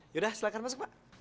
yaudah silahkan masuk pak